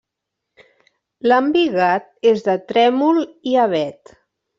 L'embigat és de trèmol i avet.